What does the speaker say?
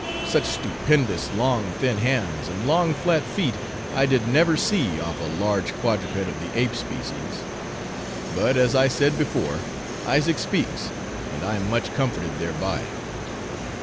Such stupendous long thin hands, and long flat feet, I did never see off a large quadruped of the ape species. But, as I said before, Isaac speaks, and I am much comforted thereby.